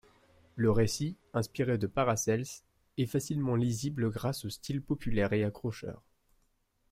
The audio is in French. Le récit, inspiré de Paracelse, est facilement lisible, grâce au style populaire et accrocheur.